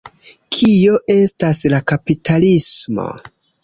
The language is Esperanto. Kio estas la kapitalismo?